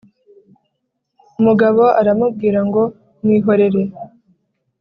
umugabo aramubwira ngo : "mwihorere